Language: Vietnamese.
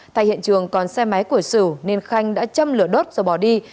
tại hiện trường còn xe máy của sửu nên khanh đã châm lửa đốt rồi bỏ đi